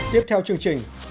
tiếp theo chương trình